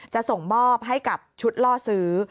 จะส่งมอบให้กับชุดล่อซื้อ